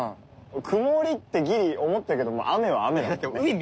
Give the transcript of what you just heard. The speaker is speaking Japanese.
曇りってギリ思ってたけど雨は雨だもんね。